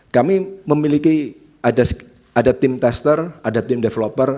kami memiliki ada tim tester ada tim developer